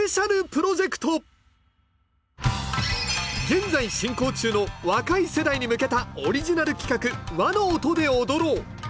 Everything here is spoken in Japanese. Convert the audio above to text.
現在進行中の若い世代に向けたオリジナル企画「和の音で踊ろう」。